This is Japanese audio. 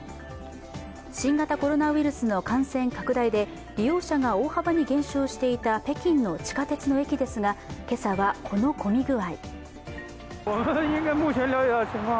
新型コロナウイルスの感染拡大で利用者が大幅に減少していた北京の地下鉄の駅ですが、今朝はこの混み具合。